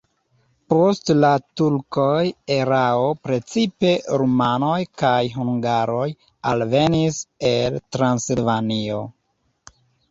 Post la turkoj erao precipe rumanoj kaj hungaroj alvenis el Transilvanio.